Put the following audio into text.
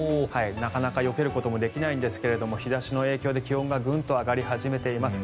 なかなかよけることもできないんですが日差しの影響で、気温がグンと上がり始めています。